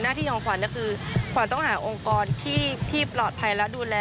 ที่ยอมขวัญก็คือขวัญต้องหาองค์กรที่ปลอดภัยและดูแล